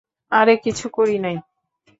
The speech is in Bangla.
আরে কিছুই করি নাই।